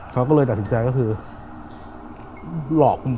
เขาก็เลยตัดสินใจก็คือหลอกมึง